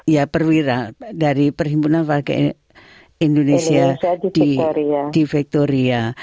ya perwira dari perhimpunan warga indonesia di victoria